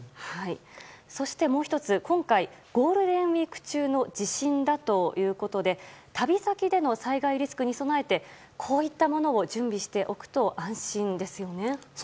そして、もう１つ今回ゴールデンウィーク中の地震だということで旅先での災害リスクに備えてこういったものを準備しておくと安心ですよね。